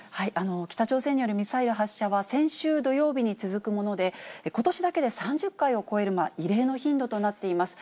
北朝鮮によるミサイル発射は、先週土曜日に続くもので、ことしだけで３０回を超える異例の頻度となっています。